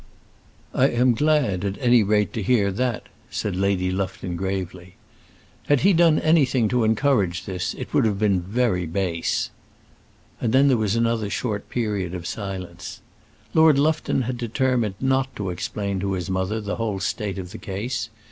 "I am glad, at any rate, to hear that," said Lady Lufton, gravely. "Had he done anything to encourage this, it would have been very base." And then there was another short period of silence. Lord Lufton had determined not to explain to his mother the whole state of the case.